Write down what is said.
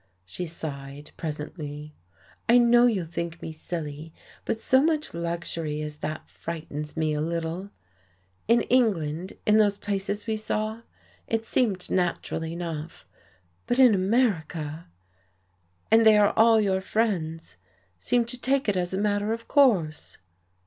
she sighed presently. "I know you'll think me silly, but so much luxury as that frightens me a little. In England, in those places we saw, it seemed natural enough, but in America ! And they all your friends seem to take it as a matter of course."